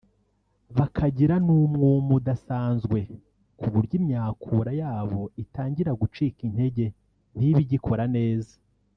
bakagira n’umwuma udasanzwe ku buryo imyakura yabo itangira gucika intege ntibe igikora neza